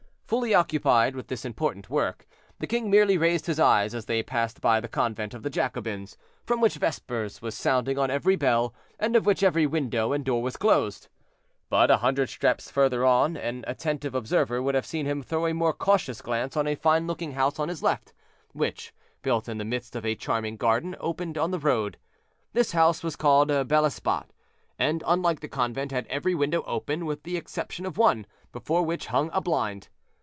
Fully occupied with this important work, the king merely raised his eyes as they passed by the convent of the Jacobins, from which vespers was sounding on every bell, and of which every window and door was closed. But a hundred steps further on, an attentive observer would have seen him throw a more curious glance on a fine looking house on his left, which, built in the midst of a charming garden, opened on the road. This house was called Bel Esbat, and, unlike the convent, had every window open with the exception of one, before which hung a blind.